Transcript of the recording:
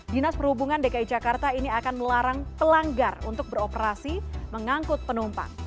dinas perhubungan dki jakarta ini akan melarang pelanggar untuk beroperasi mengangkut penumpang